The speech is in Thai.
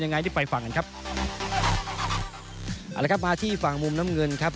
ยังไงนี่ไปฟังกันครับเอาละครับมาที่ฝั่งมุมน้ำเงินครับ